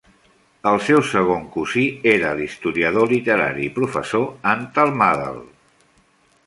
El seu segon cosí era l"historiador literari i professor Antal Mádl.